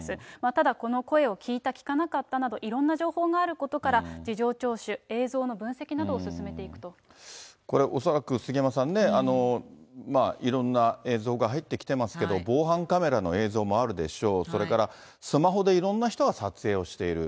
ただこの声を聞いた、聞かなかったなど、いろんな情報があることから、事情聴取、映像の分析などを進めてこれ、恐らく杉山さんね、いろんな映像が入ってきてますけど、防犯カメラの映像もあるでしょう、それからスマホでいろんな人が撮影をしている。